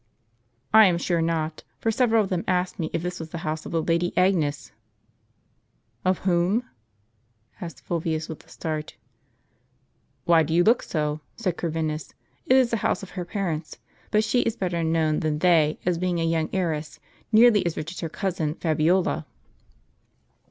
" I am sure not, for several of them asked me if this was the house of the Lady Agnes." " Of whom ?" asked Fulvius, with a start. "Why do you look so?" said Corvinus. "It is the house of her parents : but she is better known than they, as being a young heiress, nearly as rich as her cousin Fabiola."